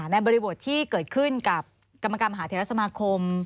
บริบทที่เกิดขึ้นกับกรรมมหาเทรสมาคม